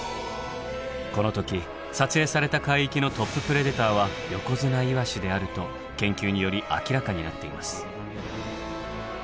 この時撮影された海域のトッププレデターはヨコヅナイワシであると研究により明らかになっています。